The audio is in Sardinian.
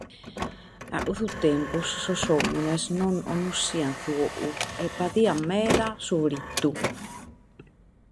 A cussu tempus sos òmines non connoschiant su fogu e patiant meda su fritu.